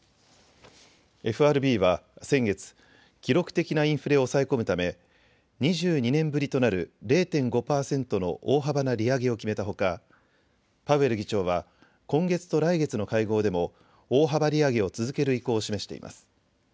ＦＲＢは先月、記録的なインフレを抑え込むため２２年ぶりとなる０．５％の大幅な利上げを決めたほかパウエル議長は今月と来月の会合でも大幅利上げを続ける意向を示しています。